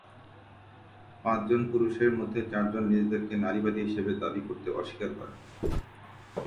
পাঁচ জন পুরুষের মধ্যে চারজন নিজেদেরকে নারীবাদী হিসেবে দাবী করতে অস্বীকার করেন।